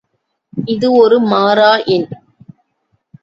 இது ஒரு மாறா எண்.